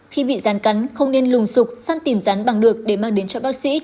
khi bị rắn cắn không nên lùng sụp săn tìm rắn bằng được để mang đến cho bác sĩ